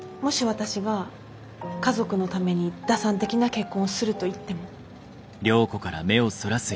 私が家族のために打算的な結婚をすると言っても？